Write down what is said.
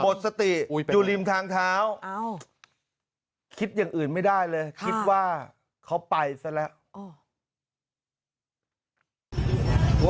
หมดสติอยู่ริมทางเท้าคิดอย่างอื่นไม่ได้เลยคิดว่าเขาไปซะแล้ว